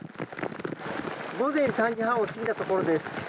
午前３時半を過ぎたところです。